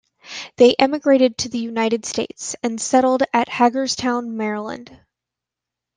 They emigrated to the United States, and settled at Hagerstown, Maryland.